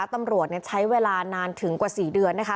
ตำรวจใช้เวลานานถึงกว่า๔เดือนนะคะ